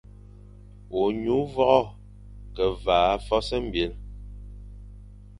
Ônyu vogho ke vaʼa fwas mbil.